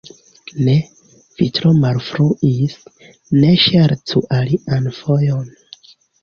Ne, vi tro malfruis, ne ŝercu alian fojon!